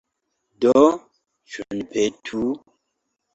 Do, ĉu ni petu?